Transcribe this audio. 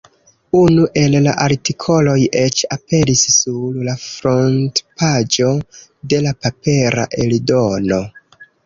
Unu el la artikoloj eĉ aperis sur la frontpaĝo de la papera eldono.